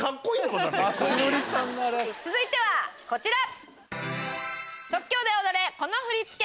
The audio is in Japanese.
続いてはこちら。